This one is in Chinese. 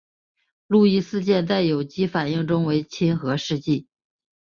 路易斯碱在有机反应中为亲核试剂。